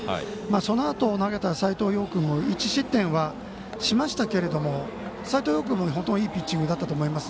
そのあと、投げた斎藤蓉君も１失点はしましたけれども斎藤蓉も本当にいいピッチングだったと思います。